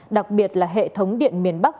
đặc biệt là hệ thống điện miền bắc